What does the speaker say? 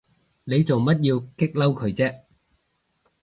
你做乜要激嬲佢啫？